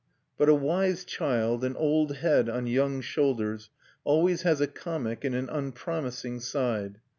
But a wise child, an old head on young shoulders, always has a comic and an unpromising side.